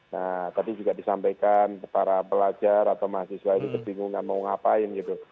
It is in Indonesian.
nah tadi juga disampaikan para pelajar atau mahasiswa itu kebingungan mau ngapain gitu